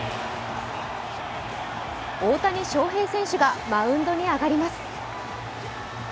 大谷翔平選手がマウンドに上がります。